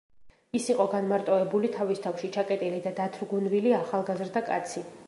ის იყო განმარტოებული, თავის თავში ჩაკეტილი და დათრგუნვილი ახალგაზრდა კაცი.